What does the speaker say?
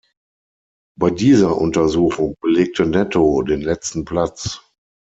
Bei dieser Untersuchung belegte Netto den letzten Platz.